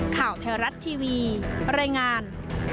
ข่าวไทยรัฐทีวีรายงาน